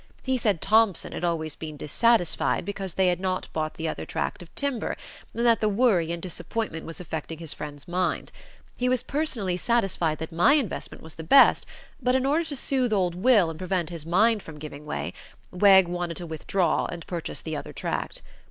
He said Thompson had always been dissatisfied because they had not bought the other tract of timber, and that the worry and disappointment was affecting his friend's mind. He was personally satisfied that my investment was the best, but, in order to sooth old Will and prevent his mind from giving way, Wegg wanted to withdraw and purchase the other tract.